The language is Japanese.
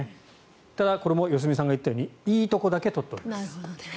ただ、これも良純さんが言ったようにいいところだけ撮っております。